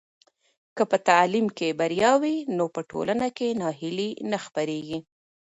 که په تعلیم کې بریا وي نو په ټولنه کې ناهیلي نه خپرېږي.